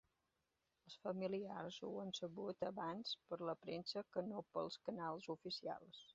Els familiars ho han sabut abans per la premsa que no pels canals oficials.